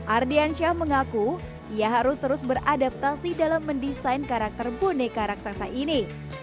ardiansyah mengaku ia harus terus beradaptasi dalam mendesain karakter boneka raksasa ini